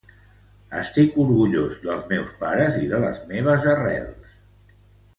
Estic orgullós dels meus pares i de les meves arrels.